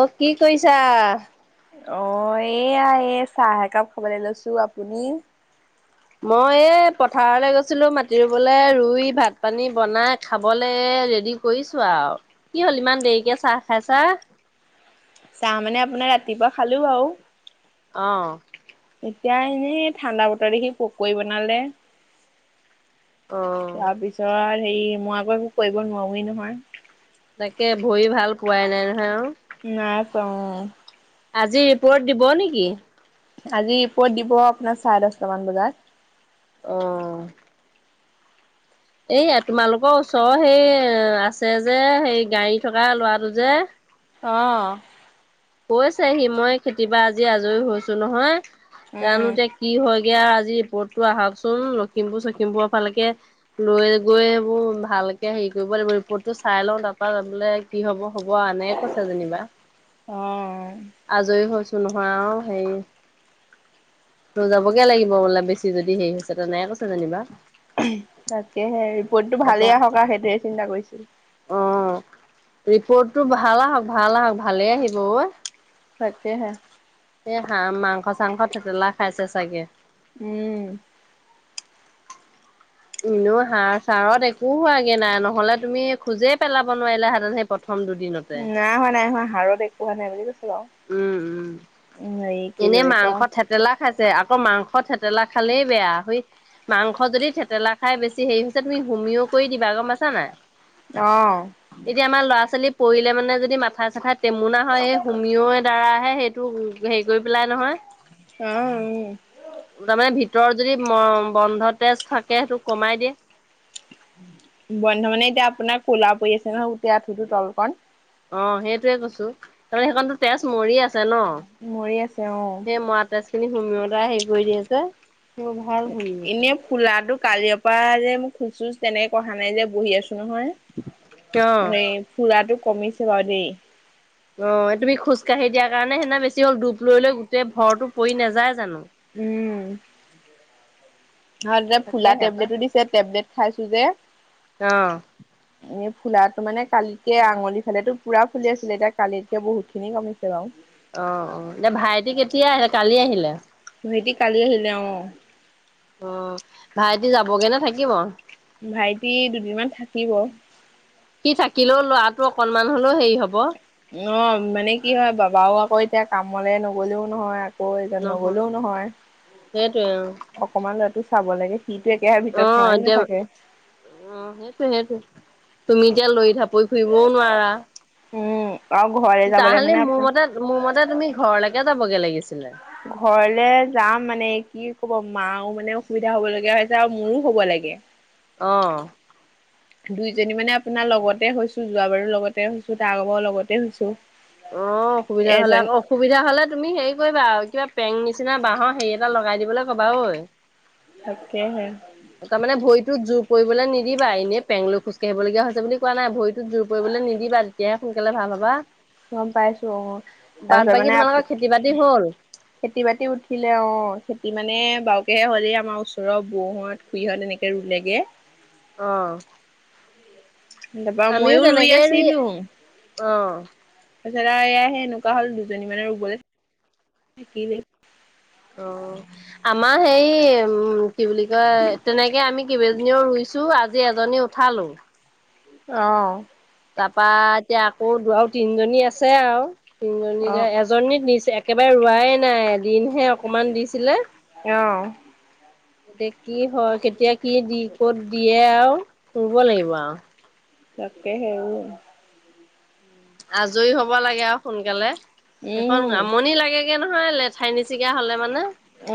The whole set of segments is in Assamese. অ, কি কৰিছা? [inaudible] অ এয়া এই চাহ একাপ খাবলৈ লৈছোঁ। আপুনি? [inaudible] মই এই পথাৰলৈ গৈছিলোঁ মাটি ৰুবলৈ, ৰুই ভাত-পানী বনাই খাবলৈ এই ৰেডি [unintelligible] কৰিছোঁ আৰু। কি হ'ল ইমান দেৰিকে চাহ খাইছা? [inaudible] চাহ মানে আপোনাৰ ৰাতিপুৱা খালোঁ আৰু। [unintelligible] অঁ! [inaudible] এতিয়া এনেই ঠাণ্ডা বতৰ দেখি পকৰি বনালে। [unintelligible] অ তাৰপিছত হেৰি মই আকৌ একো কৰিব নোৱাৰোৱেই নহয়। [unintelligible] তাকে ভৰি ভাল পোৱাই নাই নহয় আৰু। [unintelligible] নাই পোৱা অঁ। [unintelligible] আজি ৰিপৰ্ট দিব নেকি? আজি ৰিপ'ৰ্ট দিব আপোনাৰ চাৰে দহটামান বজাত। অ এই তোমালোকৰ ওচৰৰ সেই আছে যে সেই গাড়ী থকা ল'ৰাটো যে অৱ। কৈছে হি, মই খেতি বা আজি আজৰি হৈছো নহয় উম তেওঁলোকে কি হয়গে আজি ৰিপৰ্টটো আহকচোন লখিমপুৰ চখিমপুৰৰ ফালেকে লৈ গৈ সেইবোৰ ভালকে হেৰি কৰিব লাগিব ৰিপৰ্টটো চাই লওঁ তাৰ পৰা বোলে কি হ'ব হ'ব আও এনে কৈছে যেনিবা। অৱ আজৰি হৈছো নহয় অ হেৰি ত' যাবগে লাগিব বোলে বেছি যদি হেৰি হৈছে তেনেকে কৈছে যেনিবা। তাকেহে ৰিপৰ্টটো ভালেই আহক আৰু সেইটোৱে চিন্তা কৰিছো। অৱ, ৰিপৰ্টটো ভাল আহক ভাল আহক ভালেই আহিব ঐ। তাকেহে। এই হা মাংস চাংস থেতেলা খাইছে চাগে। উম। এইনো হাড় চাৰত একো হোৱাগে নাই নহ'লে তুমি খোজেইে পেলাব নোৱাৰিলা হেতেন সাধাৰণ সেই প্ৰথম দুদিনত। নাই হোৱা নাই হোৱা হাড়ত একো হোৱা নাই বুলি কৈছে ন। উম উম উম হেৰী কি এনে বুলি মাংস কয় থেতেলা খাইছে আকৌ মাংস থেতেলা খালেই বেয়া হৈত মাংস যদি থেতেলা খাই বেছি হেৰি হৈছে তুমি হুমিও কৰি দিবা গম পাছা নে নাই। অৱ। এতিয়া আমাৰ ল'ৰা ছোৱালী পৰিলে মানে যদি মাথা চাথাই টেমুনা হয় এই হুমিয় দ্বাৰা তাই সেইটো হেৰি কৰি পেলাই নহয়। আৱ উম। দুটামান ভিতৰত যদি বন্ধ তেজ থাকে সেইটো কমাই দিয়ে। বন্ধ মানে এতিয়া আপোনাৰ ক'লা পৰি আছে ন গোট আঠুটো তলকণ। অৱ সেইটোয়ে কৈছো তাৰ সেইখনো তেজ মৰি আছে। আছে ন। মৰি আছে অ সেই মৰা তেজ খিনি সুমিয় দ্ধাৰাই হেৰি কৰি দি যে। মোৰ ভাল হুমিঅ। এনে ফুলাটো কালিৰ পৰা যে মোক খোজ চোজ তেনেকে কহা নাই যে বহি আছো নহয়। অ এই ফুলাটো কমিছে বাৰু দেই। অ তুমি খোজ কাঢ়ি দিয়া কাৰণে সেদিনা বেছি হ'ল ডূপ লৈ লৈ গোটেই ভৰটো পৰি নাযায় জানো। উম। অ ফুলা তাকেহে পাই। টেবলেটো দিছে টেবলেট খাইছো যে। [unintelligible] এনেই ফুলাটো মানে কালিতকে আঙুলি ফালেতো পুৰা ফুলি আছিলে এতিয়া কালিতকৈ বহুতখিনি কমিছে বাও। অৱ অৱ এতিয়া ভাইটি কেতিয়া আহিলে কালি আহিলে। ভাইতি কালি আহিলে অৱ। অৱ ভাইটি যাবগে নে থাকিব। ভাইটি দুদিনমান থাকিব। সি থাকিলেও ল'ৰাটো অকনমান হলেও হেৰি হ'ব। অ মানে কি হয় বাবাও আকৌ এতিয়া কামলে নগলেও নহয়। কয় যে নগলেও নহয়। সেইটোৱে অ অকমান ল'ৰাটো চাব লাগে সিটো একেৰাহে ভিতৰত সোমাই নাথাকে। উম সেইটোৱে সেইটোৱে তুমি এতিয়া লৰি ঢাপৰি ফুৰিবও নোৱাৰা উম আৰু ঘৰলে যাবলে তাহালি মানে মোৰ মতে মোৰ মতে তুমি ঘৰলেকে যাবগে লাগিছিলে ঘৰলে যাম মানে কি ক'ব মাও মানে অসুবিধা হব লগীয়া হৈ আছে আৰু মোৰো হ'ব লাগে অ দুইজনী মানে আপোনাৰ লগতে হৈছো যোৱা বাৰো লগতে হৈছো তাৰ আগ বাও লগতে হৈছো অ অসুবিধা হলে এজনী আকৌ অসুবিধা হলে তুমি হেৰি কৰিবা কিবা পেং নিচিনা বাঁহৰ সেই এটা লগাই দিবলে ক'বা ঐ তাকেহে তা মানে ভৰিটোত জোৰ পৰিবলে নিদিবা এনেই পেংলো খোজকাঢ়িব লগীয়া হৈছে বুলি কোৱা নাই ভৰিটোত জোৰ পৰিবলৈ নিদিবা তেতিয়াহে সোনকালে ভাল হবা গম পাইছো অ বাদ তাৰপিছত বাকী মানে তোমালোকৰ আপু খেতি বাতি হ'ল? খেতি-বাতি উঠিলে অ খেতি মানে বাৰুকেহে হ'লেই আমাৰ ওচৰৰ বৌহত খুৰী সতে এনেকে ৰুলেগে অ চিনি নাপাওঁ আমিও ময়ো ৰুই তেনেকেই আছিলুং অ' তাৰপছত আৰু এয়া সে এনেকুৱা হল দুজনী মানৰ ৰুবলে থাকিলেই অ আমাৰ হেই উম কি বুলি কয় তেনেকে আমি কেইবাজনীও ৰুই ছো আজি এজনী উঠালো অ তাৰপা এতিয়া আকৌ দু আৰু তিনজনী আছে আৱ তিনিজনী যে অ', জনী নিছে একেবাৰে ৰোৱাই নাই এদিনহে অকমান দিছিলে অ'। এ কি হয় কেতিয়া কি দি ক'ত দিয়ে আৱ ৰুব লাগিব আৱ তাকে সে আজই হব লাগে আৱ সোনকালে সেইখন উম, আমনি লাগে গে নহয় লেঠাই নিচিগা হলে মানে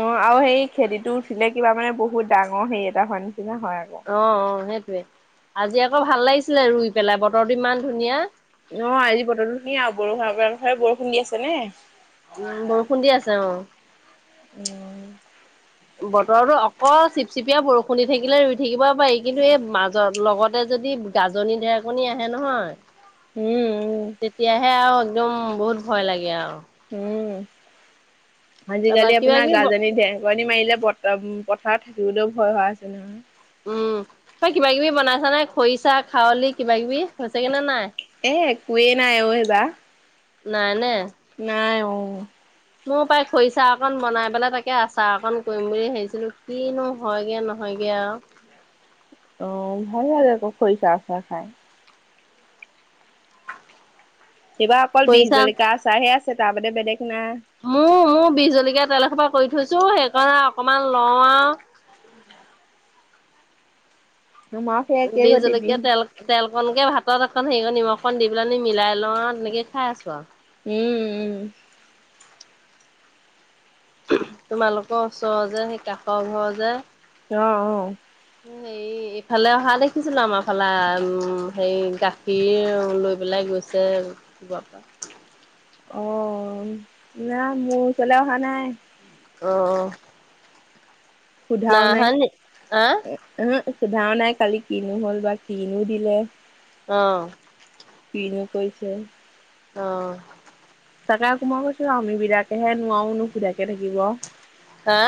অ আৰু সেই খেদিটো উঠিলে কিবা মানে বহুত ডাঙৰ হেৰি এটা হোৱা নিচিনা হয় আক অ অ সেইটোৱে আজি আকৌ ভাল লাগিছিলে ৰুই পেলাই বতৰটো ইমান ধুনীয়া অ আজি বতৰটো ধুনীয়া, আপোনালোকৰ ফালে বৰষুণ দি আছে নে? উম বৰষুণ দি আছে অ অ বতৰটো অকল চিপচিপিয়া বৰষুণ দি থাকিলে ৰুই থাকিব পাৰি কিন্তু এই মাজত লগতে যদি গাজনি ঢেৰেকনি আহে নহয় উম উম, তেতিয়াহে আৱ একদম বহুত ভয় লাগে আৱ উম আজি তাৰপা কালি কিবা কিবি গাগণি ঢেৰ কণি মাৰিলে প উম পথাৰত থাকিবলৈও ভয় হৈ আছে নহয় উম তই কিবা কিবি বনাইছ নাই খৰিচা, খাৱলি কিবা কিবি হৈছেগে নে নাই এ একোৱে নাই অ এবা নাই নে নাই অ [inaudible] মোৰ প্ৰায় খৰিচা অকণ বনাই পেলাই তাকে আচাৰ অকণ কৰিম বুলি ভাবিছিলোঁ কিনো হয়গে নহয়গে আৱ অ ভাল লাগে ক খৰিচাৰ আচাৰ খাই এইবাৰ অকল বিষ খৰিচা জলকীয়া আচাৰে হে আছে তাৰ বাদে বেদেগ না মোৰ মোৰ বি জলকীয়া তেল এসোপা কৰি থৈছো সেইকাৰণে অকনমান লওঁ আ। আমাৰো সেই একেই বি গতি জলকিয়া বিষ তেল। তেল কনকে ভাতত একণ হেৰি নিমখ কণ দি পেলাই আমি মিলাই লওঁ তেনেকে খাই আছো আ। উম উম। তোমালোকৰ ওচৰ যে সেই কাষৰ ঘৰ যে। অ অ। সু। হে ইফালে অহা দেখিছিলো আমাৰ ফালে উম হে গাখীৰ লৈ পেলাই গৈছিল। যে বাপা। অ না মোৰ ওচৰলৈ অহা নাই। অঁ। সুধাও নাই। নি আহ উম হ সুধাও নাই কালি কিনো হ'ল বা কিনো দিলে। অ। কিনো কৈছে। অ। তাকে আকৌ মই কৈছো আমি বিলাকেহে নোৱাৰো সোধাকে থাকিব। হা।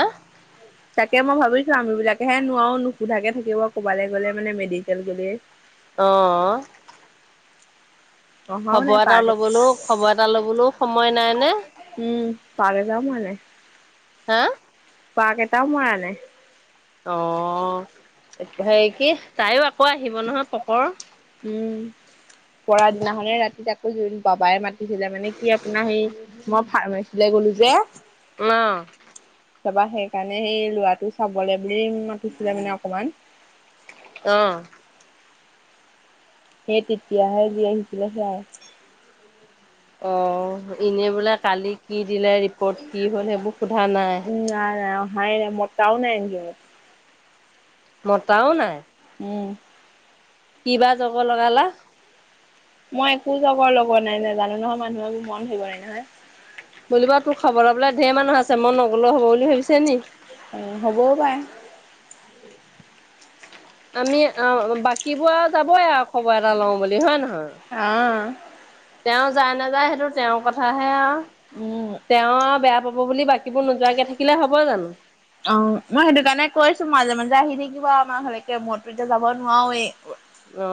তাকে মই ভাবিছোঁ আমি বিলাকে হে নোৱাৰো নুসোধাকে থাকিব ক'বালৈ গ'লে মানে মেডিকেল গ'লে। অ। অহাও নাই খবৰ এটাও পাৰ্ক, ল'বলৈও খবৰ এটা ল'বলৈও সময় নাই নে। উম পালে যাম মানে। হা। পাক এটাও মৰা নাই। অ হেৰি কি তাইও আকৌ আহিব নহয় পকৰ। উম। পৰা দিনাখনে ৰাতি আকৌ বাবাই মাতিছিলে মানে কি আপোনাৰ সেই। মই ফাৰ্মাচীলৈ গ'লো যে। ম। তাৰ পৰা সেইকাৰণে সেই ল'ৰাটো চাবলৈ বুলি মাতিছিলে মানে অকমান। অ। সেই তেতিয়াহে যি আহিছিলে সেয়াই। অ এনেই বোলে কালি কি দিলে ৰিপৰ্ট কি হ'ল সেইবোৰ সোধা নাই। উম নাই নাই অহাই নাই। তাও নাই এনজিওত। মতাও নাই। উম। কিবা জগৰ লগালা। মই একো জগৰ লগোৱা নাই নাজানো নহয় মানুহৰ মন ধৰিব নোৱাৰি নহয়। বোলোবা তোৰ খবৰ লবলে ঢেৰ মানুহ আছে মই নগ'লেও হ'ব বুলি ভাবিছে নি। উম হ'বও পাই। আমি অ বাকী বোৰ যাবই আৰু খবৰ এটা লওঁ বুলি হয় নহয়। আ। তেওঁ যায় নাযায় সেইটো তেওঁৰ কথাহে আৰু উম তেওঁ আৰু বেয়া পাব বুলি বাকী। বাকিবোৰ নোযোৱাকৈ থাকিলে হ'ব জানো। অ মই সেইটো কাৰণে কৈছো মাজে মাজে আহি থাকিব আৱ আমাৰ ঘৰলকে মইতো এতিয়া যাব নোৱাৱেই অ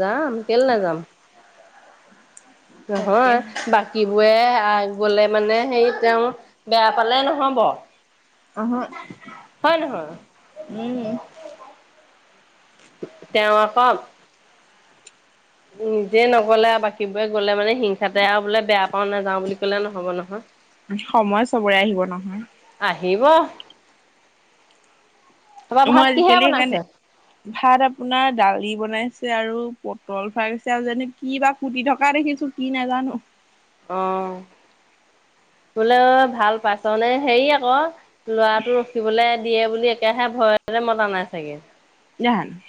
যাম কেলে নাযাম তাকে নহয় বা বাকিবোৰে গলে মানে সেই তেওঁ বেয়া পালে নহব অহ হয় নহয় উম তেওঁ আক নিজে নগলে আৰু বাকীবোৰে গ'লে মানে হিংসাতে আৰু বোলে বেয়া পাও নাযাও বুলি কয় কলে নহ'ব নহয় সময় চবৰে আহিব ন আহিব তা পা মই ভাত কিহে আজিকালি সেইকাৰণে বনাইছে ভাত আপোনাৰ দালি বনাইছে আৰু পটল ভাজিছে আৰু জানো কি বা কুটি থকা দেখিছো কি নাজানো অ বোলে ভাল পাইছ নে হেৰি আক লৰাটো ৰখিবলে দিয়ে বুলি একেৰাহে ভয়তে মতা নাই চাগে জান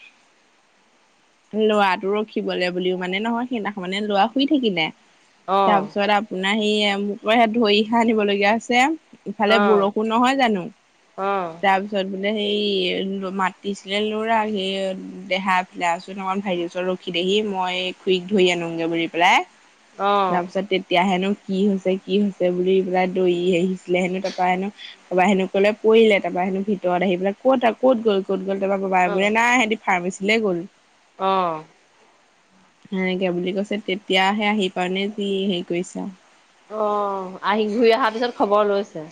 লৰাটো ৰখিবলে বুলিও মানে নহয় সেইদিনাখন মানে লৰা শুই থাকিলে অ', তাৰপিছত আপোনাৰ সি মোৰ পৰা সেত ধৰিহে আনিবলগীয়া হৈছে ইফালে অ', বৰষুণ নহয় জানো অ', তা তাপিছত বোলে সেই মাতিছিলে লৰা সেই দেহাক তাৰপিছত অকনমান ভাইটি ওচৰত ৰখি দেহি মই খুৰিক ধৰি আনোংগে বুলি পেলাই অ', তাৰপিছত তেতিয়াহেনো কি হৈছে কি হৈছে বুলি পেলাই দৌৰি আহিছিলে হেনো তাৰপৰা হেনো তাৰপৰা হেনো কলে পৰিলে তাৰপৰা হেনো ভিতৰত আহি পেলাই ক'ত কত গল কত গল তাৰপৰা বাবাই অ', বোলে নাই সেঁতি ফাৰ্মাচীলে গ'ল অ সেনেকে বুলি কৈছে তেতিয়াহে আহি পাৱনে যি হেৰি কৰিছে আৱ অ আহি ঘূৰি অহাৰ পিছত খবৰ লৈছে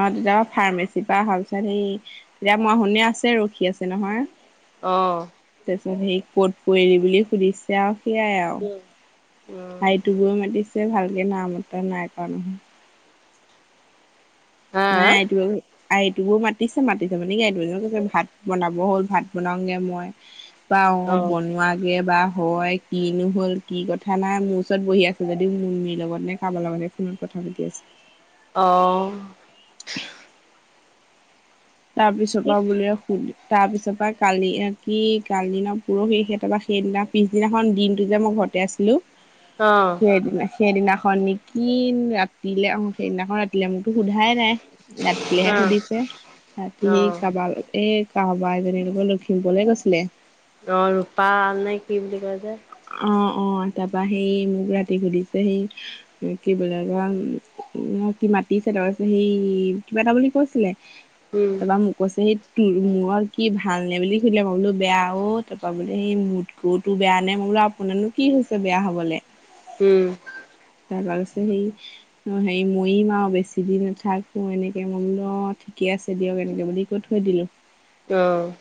অ তেতিয়া ফাৰ্মাচীৰ পৰা পিছত হেৰি তেতিয়া মই শুনি আছে ৰখি আছে নহয় অ তাৰপিছত সেই কত পৰিলি বুলি সুধিছে আৱ সেইয়াই আৱ উম, হাইটো বৈ মাতিছে ভালকে নাইমতা নাই কৰা হা না এইটো আৰু এইটোকো মাতিছে মাতিছে মানে কি এইটো এ কৈছে ভাত বনাব হ'ল ভাত বনাওগে মই বা অ বনোৱা কি বা হয় কি নো হ'ল কি কথা নাই মোৰ ওচৰত বহি আছে যদিও মুনমীৰ লগত হে খাব লগা থাকে উম কথা পাতি আছে অ তাৰ পিছৰ পৰা বোলে শুনি তাৰ পিছৰ পৰা কালি কি কালি না পৰহি সেই‌ তাপা সেইদিনা পিছদিনাখন দিনটো যে মই ফটৌ তাতে আছিলো অ', সেইদিনা সেইদিনাখন নিকি ৰাতিলে অহ সেইদিনাখন ৰাতিলে মোকতো সোধাই নাই ৰাতিলেহে অ', সুধিছে ৰাতি অ', কাৰবাৰ লগত এ কাৱবা এজনিৰ লগত লখিমপুৰলে গৈছিলে অ ৰূপাল নে কি বুলি কয় যে অ অ তাৰপৰা সেই মোক ৰাতি সুধিছে সেই কি বোলে বা কি মাতিছে তাপা সেই কিবা এটা বুলি কৈছিলে উম, তাৰপৰা মোক কৈছেহি তোৰ মূৰত কি ভাল নে বুলি সুধিলে, মই বোলো বেয়া, অ তাৰপৰা বোলে সেই মত গতো বেয়া মানে মই বোলো, আপোনাৰনো কি হৈছে বেয়া হবলে? উম তাৰ কৈছে সেই অ হেৰি মৰিম আৰু বেছি দিন নাথাকো এনেকে, মই বোলো অ ঠিকে আছে দিয়ক, এনেকে বুলি কৈ থৈ দিলো। অ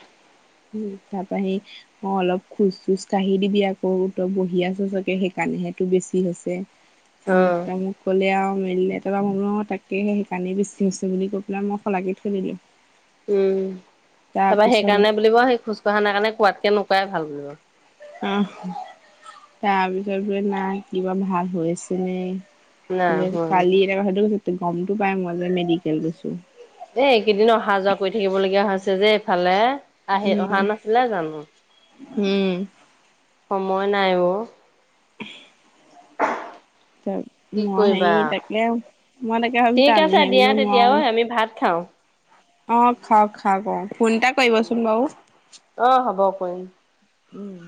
উম। তাৰ পৰা সেই অ অলপ খোজ চোজ কাঢ়ি দিবি আকৌ, তই বহি আছ চাগে সেইকাৰণেহেটো বেছি হৈছে। আমুক অ', তামুক ক'লে আৰু মেলিলে, তাৰপৰা মই তাকেহে সেইকাৰনেই বেছি হৈছে বুলি কৈ পেলাই মই শলাগি থৈ দিলো। [inaudible] উম। তাৰপা তাৰপিছত সেইকাৰণে বুলিব সেই খোজ কঢ়া নাই কাৰণে কোৱাতকে নুকোৱাই ভাল বোলো। আহ, তাৰপিছত বোলে না কিবা ভাল হৈ আ হৈছে নে নাই বোলে হোৱা কালি এটা কথাটো গমটো পাই মই যে, মেডিকেল গৈছো। এই এইকেইদিন অহা যোৱা কৰি থাকিব লগীয়া হৈছে যে এইফালে। আহি অহা উম নাছিলা জানো? উম সময় নাই অ, ত কি মই সে কৰিবা। তাকে, মই তাকে ভাবিছো ঠিক আমি আছে হে দিয়া বোলো তেতিয়া ঐ নোৱাৰো। আমি ভাত খাওঁ। অ খাওক খাওক অ, ফোন এটা কৰিবচোন বাৰু। অ', হ'ব কৰিম। উম